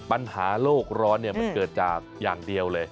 ปัญหาโลกร้อนมันเกิดจากอย่างเดียวเลย